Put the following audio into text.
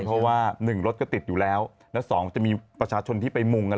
เพราะว่าหนึ่งรถก็ติดอยู่แล้วแล้วสองจะมีประชาชนที่ไปมุง